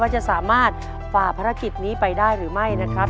จะสามารถฝ่าภารกิจนี้ไปได้หรือไม่นะครับ